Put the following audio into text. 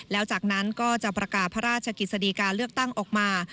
แล้วจากนั้นก็จะประกาศพระราชกิจสดีการเลือกตั้งออกมา